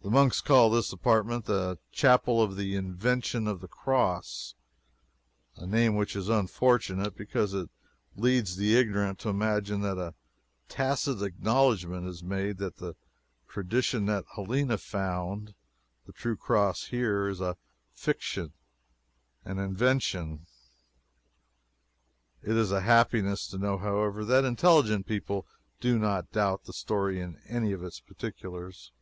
The monks call this apartment the "Chapel of the Invention of the Cross" a name which is unfortunate, because it leads the ignorant to imagine that a tacit acknowledgment is thus made that the tradition that Helena found the true Cross here is a fiction an invention. It is a happiness to know, however, that intelligent people do not doubt the story in any of its particulars.